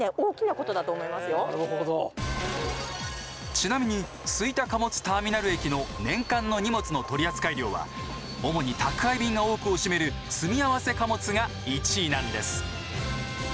ちなみに吹田貨物ターミナル駅の年間の荷物の取り扱い量は主に宅配便が多くを占める積み合わせ貨物が１位なんです。